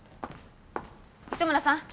糸村さん。